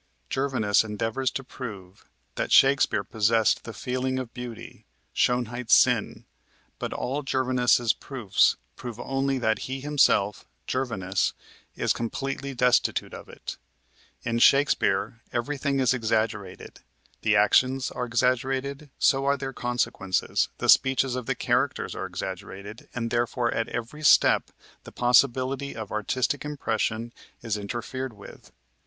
Gervinus endeavors to prove that Shakespeare possessed the feeling of beauty, "Schönheit's sinn," but all Gervinus's proofs prove only that he himself, Gervinus, is completely destitute of it. In Shakespeare everything is exaggerated: the actions are exaggerated, so are their consequences, the speeches of the characters are exaggerated, and therefore at every step the possibility of artistic impression is interfered with.